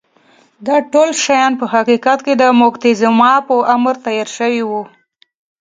دا ټول شیان په حقیقت کې د موکتیزوما په امر تیار شوي وو.